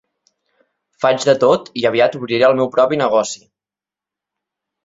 Faig de tot i aviat obriré el meu propi negoci.